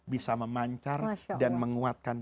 bisa memancar dan menguatkan